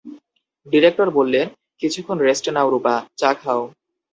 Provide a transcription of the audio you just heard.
Director বললেন, কিছুক্ষণ rest নাও রূপা, চা খাও।